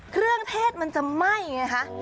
เครื่องเทศมันจะไหม้ไงคะ